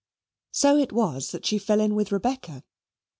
So it was that she fell in with Rebecca.